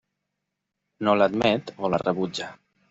No l'admet o la rebutja.